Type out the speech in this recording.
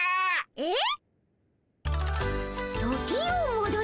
えっ？